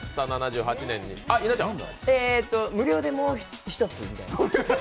無料でもう一つみたいな。